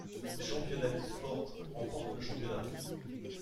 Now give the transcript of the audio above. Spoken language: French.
Championnet Sports remporte le championnat.